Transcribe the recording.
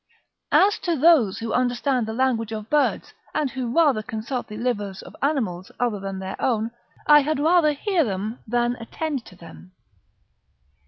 ["As to those who understand the language of birds, and who rather consult the livers of animals other than their own, I had rather hear them than attend to them."